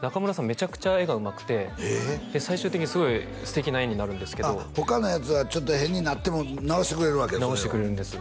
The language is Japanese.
めちゃくちゃ絵がうまくてで最終的にすごい素敵な絵になるんですけど他のヤツがちょっと変になっても直してくれるわけやそれを直してくれるんです